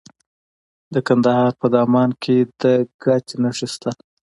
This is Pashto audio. د کندهار په دامان کې د ګچ نښې شته.